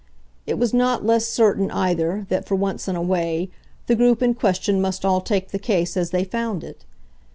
It was not less certain, either, that, for once in a way, the group in question must all take the case as they found it.